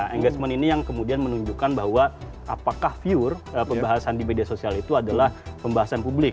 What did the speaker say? engagement ini yang kemudian menunjukkan bahwa apakah viewer pembahasan di media sosial itu adalah pembahasan publik